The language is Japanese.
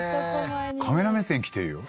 カメラ目線来てるよ。